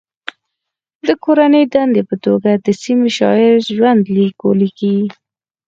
د کورنۍ دندې په توګه د سیمې د شاعر ژوند لیک ولیکئ.